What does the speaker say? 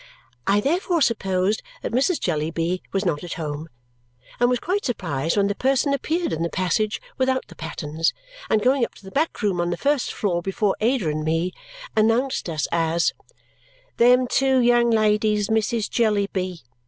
I therefore supposed that Mrs. Jellyby was not at home, and was quite surprised when the person appeared in the passage without the pattens, and going up to the back room on the first floor before Ada and me, announced us as, "Them two young ladies, Missis Jellyby!"